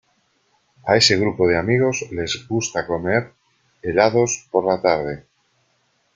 A ese grupo de amigos les gusta comer helados por la tarde.